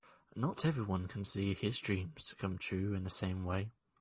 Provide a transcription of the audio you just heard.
Not everyone can see his dreams come true in the same way.